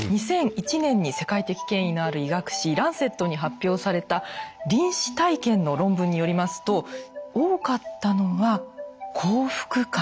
２００１年に世界的権威のある医学誌「ランセット」に発表された臨死体験の論文によりますと多かったのは幸福感。